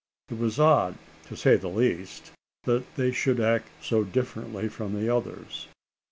It was odd, to say the least, they should act so differently from the others.